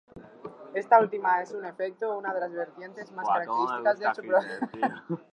Esta última es en efecto una de las vertientes más características de su producción.